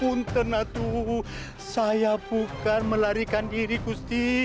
puntenatu saya bukan melarikan diri gusti